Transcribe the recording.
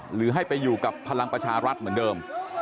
หรือให้ไปอยู่กับพลังประชารัฐเหมือนเดิม